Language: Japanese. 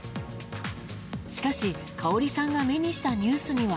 しかし、香さんが目にしたニュースには。